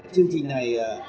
chương trình này